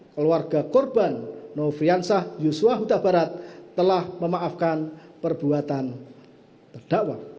keluarga korban nofriansah yusua huta barat telah memaafkan perbuatan terdakwa